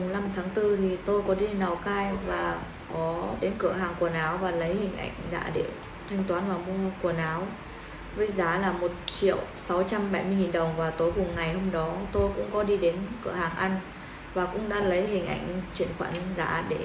và cũng đã giấy hình ảnh giả để chuyển khoản thành công với giá một triệu để mua chức phí ngày hôm đó